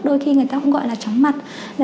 đôi khi người ta cũng gọi là chóng mặt